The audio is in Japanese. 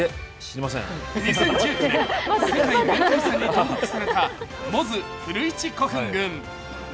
２０１９年、世界文化遺産に登録された百舌鳥・古市古墳群。